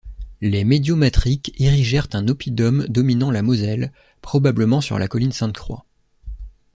Les Médiomatriques érigèrent un oppidum dominant la Moselle, probablement sur la colline Sainte-Croix.